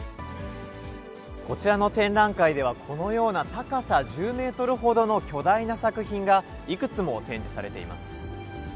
こちらの展覧会では、このような高さ１０メートルほどの巨大な作品がいくつも展示されています。